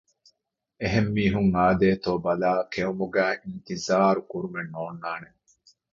އެހެން މީހުން އާދޭތޯ ބަލައި ކެއުމުގައި އިންތިޒާރު ކުރުމެއް ނޯންނާނެ